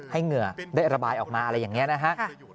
เหงื่อได้ระบายออกมาอะไรอย่างนี้นะฮะ